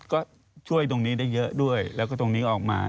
ก็ช่วยตรงนี้ได้เยอะด้วยแล้วก็ตรงนี้ออกมา